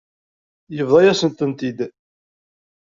Yebḍa-yasen-tent-id.